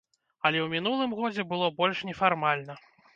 Але ў мінулым годзе было больш нефармальна.